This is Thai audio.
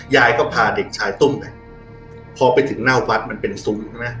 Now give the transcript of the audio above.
ยายก็พาเด็กชายตุ้มไปพอไปถึงหน้าวัดมันเป็นซุมนะ